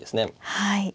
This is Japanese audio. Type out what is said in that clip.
はい。